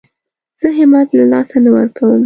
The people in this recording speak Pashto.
زه همت له لاسه نه ورکوم.